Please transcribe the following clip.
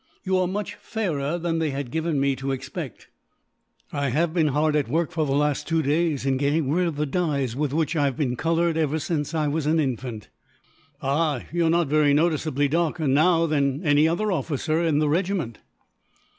"You are much fairer than they had given me to expect." "I have been hard at work, for the last two days, in getting rid of the dyes with which I have been coloured, ever since I was an infant." "Ah! You are not very noticeably darker, now, than other officers in the regiment.